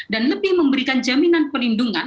dan lebih memberikan jaminan penindungan